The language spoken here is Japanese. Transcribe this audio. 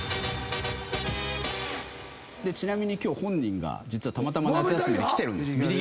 ちなみに今日本人が実はたまたま夏休みで来てるんです。